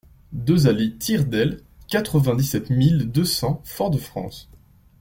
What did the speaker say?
deux allée Tire d'Aile, quatre-vingt-dix-sept mille deux cents Fort-de-France